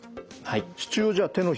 はい。